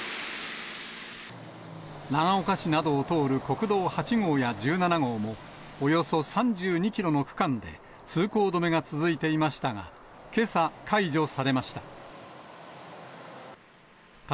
長岡市などを通る国道８号や１７号も、およそ３２キロの区間で、通行止めが続いていましたが、けさ、解除されました。